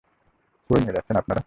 কই নিয়ে যাচ্ছেন আপনারা?